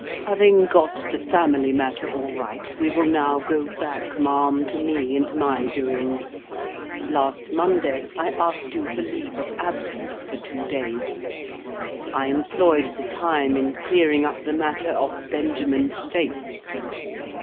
"Having got the family matter all right, we will now go back, ma'am, to me and my doings. Last Monday, I asked you for leave of absence for two days; I employed the time in clearing up the matter of Benjamin's face.